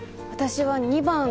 私は２番。